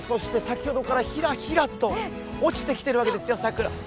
先ほどからひらひらと落ちてきてるわけですよ、桜。